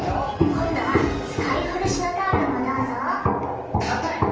今度は使い古しのタオルもどうぞ。